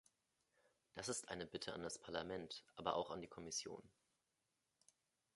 Das ist eine Bitte an das Parlament, aber auch an die Kommission.